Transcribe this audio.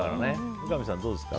三上さん、どうですか。